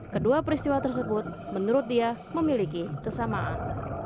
kedua peristiwa tersebut menurut dia memiliki kesamaan